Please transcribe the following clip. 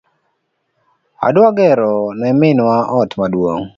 Adwa gero ne minwa ot maduong